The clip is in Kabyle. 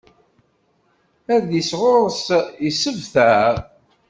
Adlis ɣur-s isebtar.